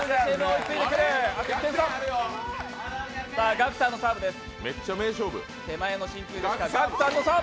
ガクさんのサーブです。